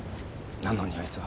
なのにあいつは